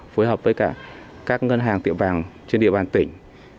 phối hợp với cả các ngân hàng tiệm vàng trên địa bàn tỉnh